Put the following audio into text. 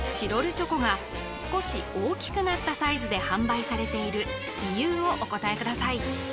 チョコが少し大きくなったサイズで販売されている理由をお答えください